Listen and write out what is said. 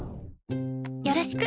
よろしく！